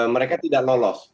mereka tidak lolos